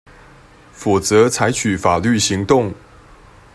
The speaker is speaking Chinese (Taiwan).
否則採取法律行動